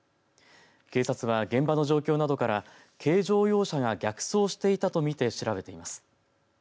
警察は現場の状況などから軽乗用車が逆走していたと見て調べています。